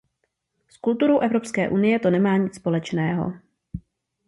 S kulturou Evropské unie to nemá nic společného.